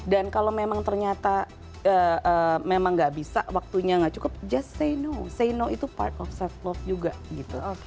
dan kalau memang ternyata memang gak bisa waktunya gak cukup just say no say no itu part of self love juga gitu